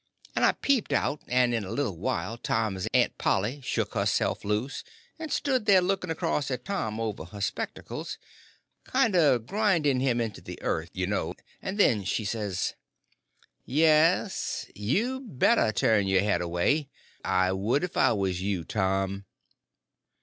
And I peeped out, and in a little while Tom's Aunt Polly shook herself loose and stood there looking across at Tom over her spectacles—kind of grinding him into the earth, you know. And then she says: "Yes, you better turn y'r head away—I would if I was you, Tom."